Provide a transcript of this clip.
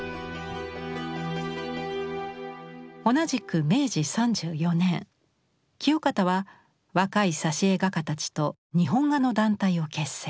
同じく明治３４年清方は若い挿絵画家たちと日本画の団体を結成。